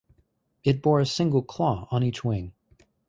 It bore a single claw on each wing.